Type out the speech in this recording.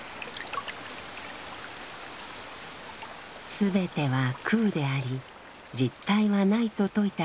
「すべては空であり実体はない」と説いた龍樹。